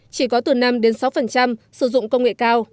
chỉ có từ năm sáu sử dụng công nghệ cao